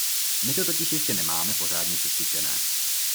My to totiž ještě nemáme pořádně secvičené.